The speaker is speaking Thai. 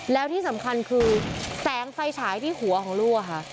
แล้วที่สำคัญคือแสงไฟฉายที่หัวของลูกค่ะ